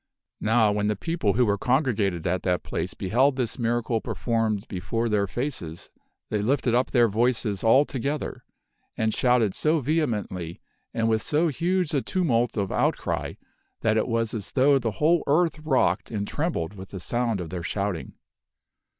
Now when the people who were congregated at that place beheld this miracle performed before their faces, they lifted up their voices all together, and shouted so vehemently and with so huge a tumult of outcry that it was as though the whole earth rocked and trembled with the sound of their shouting.